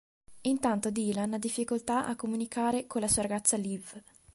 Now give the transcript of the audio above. Intanto, Dylan ha difficoltà a comunicare con la sua ragazza Liv.